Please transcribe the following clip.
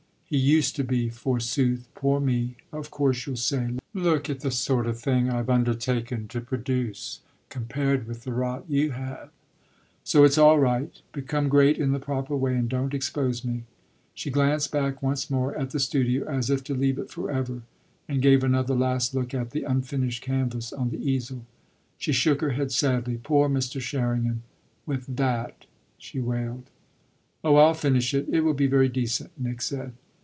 He 'used' to be forsooth! Poor me! Of course you'll say, 'Look at the sort of thing I've undertaken to produce compared with the rot you have.' So it's all right. Become great in the proper way and don't expose me." She glanced back once more at the studio as if to leave it for ever, and gave another last look at the unfinished canvas on the easel. She shook her head sadly, "Poor Mr. Sherringham with that!" she wailed. "Oh I'll finish it it will be very decent," Nick said.